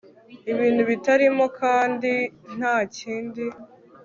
Ibintu bitarimo kandi ntakindi